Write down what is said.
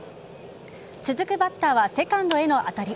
続くバッターはセカンドへの当たり。